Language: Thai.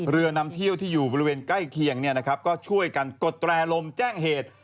เรือนำเที่ยวที่อยู่บริเวณใกล้เคียงก็ช่วยกันกดแตรลมแจ้งเหตุ